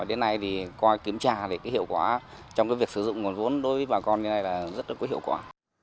đến nay thì coi kiểm tra hiệu quả trong việc sử dụng nguồn vốn đối với bà con như thế này là rất hiệu quả